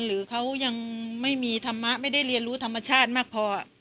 หรือเขายังไม่มีธรรมะไม่ได้เรียนรู้ธรรมชาติมากพอ